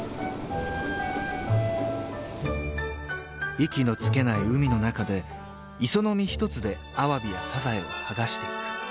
［息のつけない海の中で磯のみ一つでアワビやサザエを剥がしていく］